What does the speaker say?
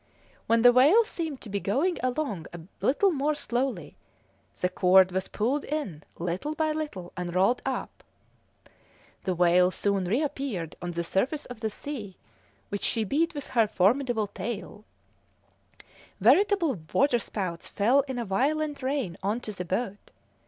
When the whale seemed to be going along a little more slowly, the cord was pulled in little by little and rolled up; the whale soon reappeared on the surface of the sea, which she beat with her formidable tail: veritable waterspouts fell in a violent rain on to the boat.